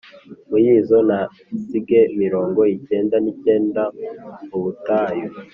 muri zo ntasige mirongo icyenda n icyenda mu butayu